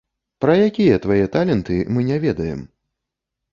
Пра якія твае таленты мы не ведаем?